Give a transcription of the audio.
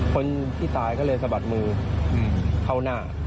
คนที่ตายก็เลยสะบัดมือเข้าหน้า